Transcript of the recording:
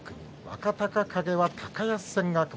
若隆景と高安戦。